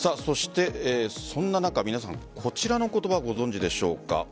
そんな中こちらの言葉、ご存じでしょうか。